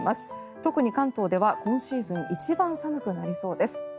特に関東では今シーズン一番寒くなりそうです。